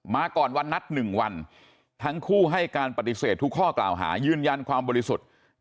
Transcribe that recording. ก่อนวันนัด๑วันทั้งคู่ให้การปฏิเสธทุกข้อกล่าวหายืนยันความบริสุทธิ์